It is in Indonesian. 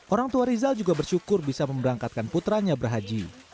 orang tua rizal juga bersyukur bisa memberangkatkan putranya berhaji